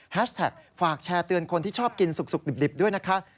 แท็กฝากแชร์เตือนคนที่ชอบกินสุกดิบด้วยนะคะ